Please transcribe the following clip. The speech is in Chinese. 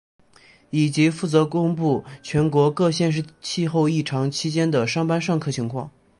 以及负责公布全国各县市气候异常期间的上班上课情况。